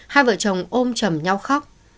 hai vợ chồng ôm chầm nhau khóc